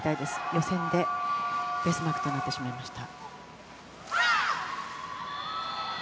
予選で、ベースマークとなってしまいました。